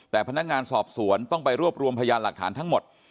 แต่พนักงานสอบสวนต้องไปรวบรวมพยานหลักฐานทั้งหมด